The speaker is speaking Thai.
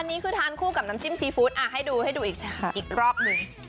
อันนี้คือทานคู่กับน้ำจิ้มซีฟู้ดให้ดูให้ดูอีกรอบหนึ่ง